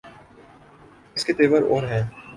اس کے تیور اور ہیں۔